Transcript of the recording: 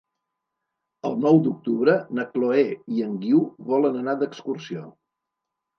El nou d'octubre na Chloé i en Guiu volen anar d'excursió.